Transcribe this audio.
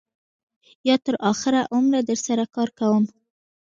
یا تر آخره عمره در سره کار کوم.